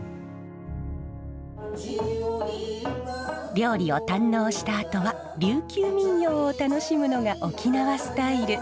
料理を堪能したあとは琉球民謡を楽しむのが沖縄スタイル。